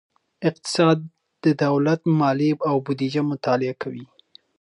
اقتصاد د دولت مالیې او بودیجه مطالعه کوي.